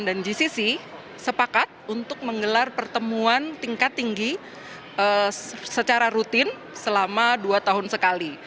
gcc sepakat untuk menggelar pertemuan tingkat tinggi secara rutin selama dua tahun sekali